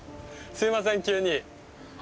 すみません急に。